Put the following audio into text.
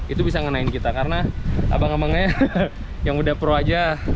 itu bisa ngenain kita karena abang abangnya yang udah pro aja